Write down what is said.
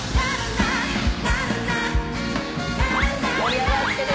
盛り上がってる。